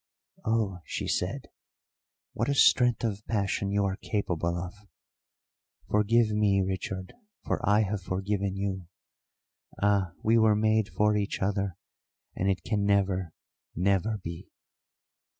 "Oh," she said, "what a strength of passion you are capable of! Forgive me, Richard, for I have forgiven you. Ah, we were made for each other, and it can never, never be."